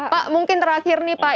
pak mungkin terakhir nih pak